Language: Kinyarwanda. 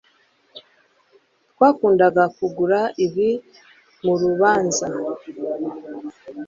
twakundaga kugura ibi murubanza